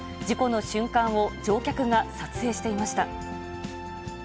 事故の瞬間を乗客が撮影していました。